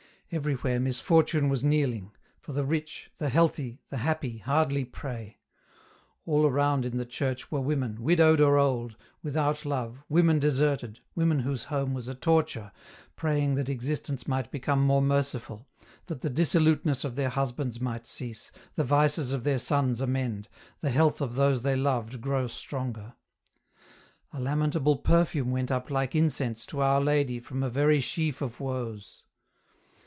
Everywhere misfortune was kneel ing, for the rich, the healthy, the happy hardly pray ; all around in the church were women, widowed or old, without love, women deserted, women whose home was a torture, praying that existence might become more merciful, that the dissoluteness of their husbands might cease, the vices of their sons amend, the health of those they loved grow stronger. A lamentable perfume went up like incense to Our Lady trom a very sheaf of woes.